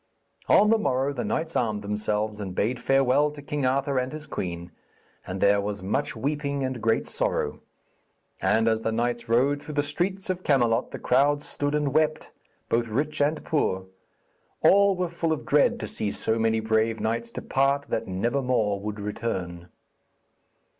On the morrow the knights armed themselves, and bade farewell to King Arthur and his queen, and there was much weeping and great sorrow. And as the knights rode through the streets of Camelot the crowds stood and wept, both rich and poor. All were full of dread to see so many brave knights depart that never more would return.